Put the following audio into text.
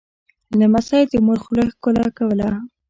لمسی د مور خوله ښکوله کوي.